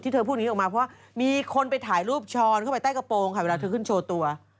เธอพูดอย่างนี้ออกมาเพราะว่ามีคนไปถ่ายรูปช้อนเข้าไปใต้กระโปรงค่ะเวลาเธอขึ้นโชว์ตัว